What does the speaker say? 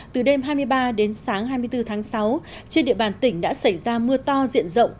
từ đêm hai mươi ba đến sáng hai mươi bốn tháng sáu trên địa bàn tỉnh đã xảy ra mưa to diện rộng